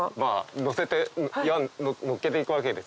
のせてのっけていくわけですよ。